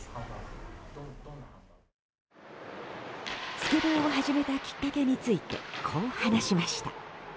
スケボーを始めたきっかけについてこう話しました。